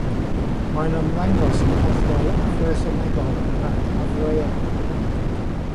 Mae'n ymddangos yn hollol afresymegol ac afreal.